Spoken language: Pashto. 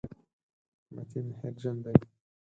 متین هېرجن دی.